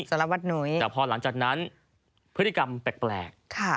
สารวัตนุ้ยแต่พอหลังจากนั้นพฤติกรรมแปลก